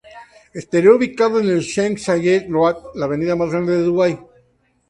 Estaría ubicado en la Sheikh Zayed Road, la avenida más grande de Dubái.